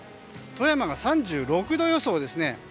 富山が３６度予想ですね。